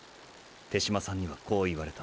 手嶋さんにはこう言われた。